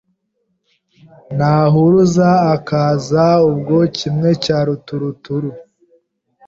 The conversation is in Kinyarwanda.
Nahuruza akaza ubwo Kimwe cya ruturuturu